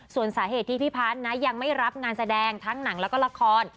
ส่วนสาเหตุที่พี่พัฒน์นะยังไม่รับงานแสดงทั้งหนังแล้วก็ละคร